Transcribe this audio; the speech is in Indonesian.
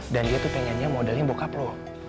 dan dia tuh pengennya modalnya bokap lo